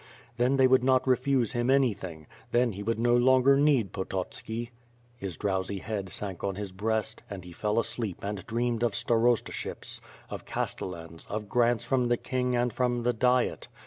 Then they would not refuse him anything; then he would no longer need Pototski. ... His drowsy head sank on his breast — and he fell asleep and dreamed of starostships, of Castellans, of grants from the king and from the Diet.